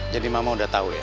tadi mama udah tau ya